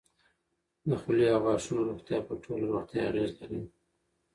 د خولې او غاښونو روغتیا په ټوله روغتیا اغېز لري.